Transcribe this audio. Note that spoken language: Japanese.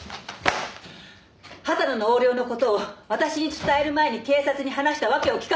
畑野の横領の事を私に伝える前に警察に話した訳を聞かせて！